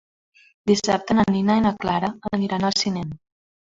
Dissabte na Nina i na Clara aniran al cinema.